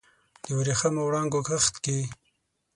د وریښمېو وړانګو کښت کې